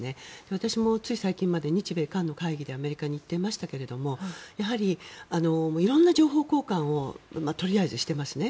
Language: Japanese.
私もつい最近まで日米韓の会議でアメリカに行っていましたがやはり色んな情報交換をとりあえずしていますね。